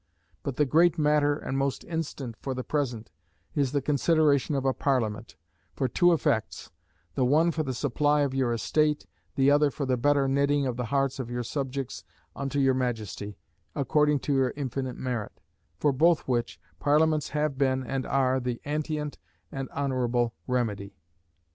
But the great matter and most instant for the present, is the consideration of a Parliament, for two effects: the one for the supply of your estate, the other for the better knitting of the hearts of your subjects unto your Majesty, according to your infinite merit; for both which, Parliaments have been and are the antient and honourable remedy.